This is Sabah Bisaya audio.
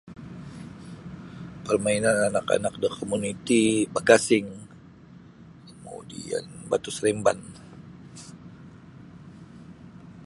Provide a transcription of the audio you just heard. Parmainan anak-anak da komuniti bagasing kemudian batu seremban.